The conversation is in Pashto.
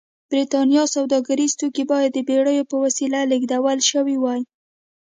برېټانیا سوداګریز توکي باید د بېړیو په وسیله لېږدول شوي وای.